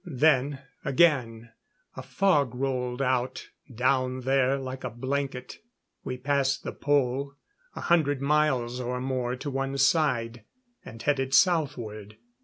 Then, again, a fog rolled out down there like a blanket. We passed the Pole, a hundred miles or more to one side, and headed Southward.